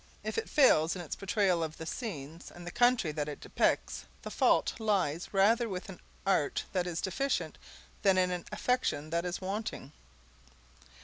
If it fails in its portrayal of the scenes and the country that it depicts the fault lies rather with an art that is deficient than in an affection that is wanting.